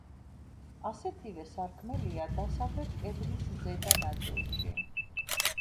ასეთივე სარკმელია დასავლეთ კედლის ზედა ნაწილში.